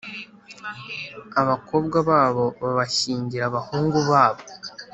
abakobwa babo babashyingira abahungu babo